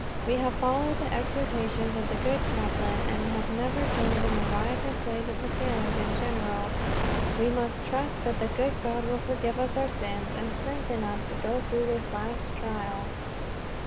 We have followed the exhortations of the good chaplain, and have never joined in the riotous ways of the sailors in general. We must trust that the good God will forgive us our sins, and strengthen us to go through this last trial."